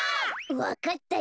わかったよ。